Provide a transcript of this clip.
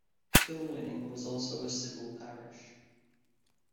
Kilwinning was also a Civil Parish.